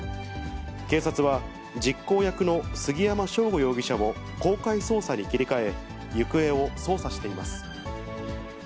警察は実行役の杉山翔吾容疑者を公開捜査に切り替え、行方を捜査しています。